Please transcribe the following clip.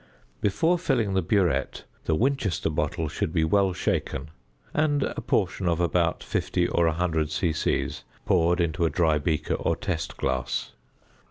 Before filling the burette, the "Winchester" bottle should be well shaken and a portion of about 50 or 100 c.c. poured into a dry beaker or test glass.